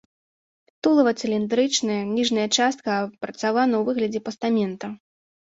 Тулава цыліндрычнае, ніжняя частка апрацавана ў выглядзе пастамента.